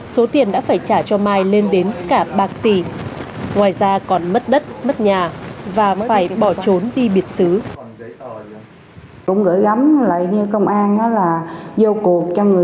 số tiền đã phải trả cho mai một mươi triệu đồng